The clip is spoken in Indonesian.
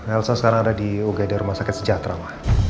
elsa sekarang ada di ugd rumah sakit sejahtera